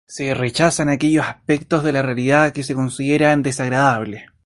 Se rechazan aquellos aspectos de la realidad que se consideran desagradables.